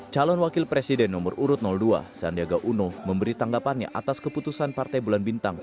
calon wakil presiden nomor urut dua sandiaga uno memberi tanggapannya atas keputusan partai bulan bintang